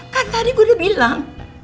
kan tadi gue udah bilang